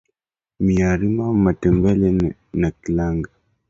Mita rima matembele na kilanga